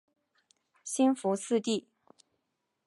兴福寺的。